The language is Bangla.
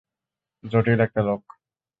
জটিল একটা লোক।